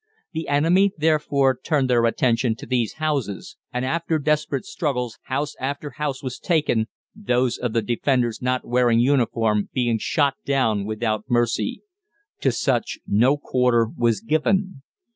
The enemy therefore turned their attention to these houses, and after desperate struggles house after house was taken, those of the defenders not wearing uniform being shot down without mercy. To such no quarter was given.